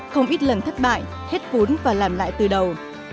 không ít lần thất bại hết vốn và làm lại từ đầu